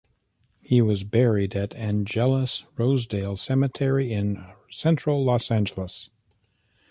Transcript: He was buried at Angelus-Rosedale Cemetery in Central Los Angeles.